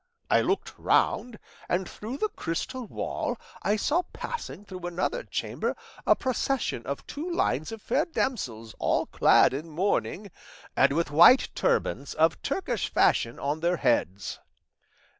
I looked round, and through the crystal wall I saw passing through another chamber a procession of two lines of fair damsels all clad in mourning, and with white turbans of Turkish fashion on their heads.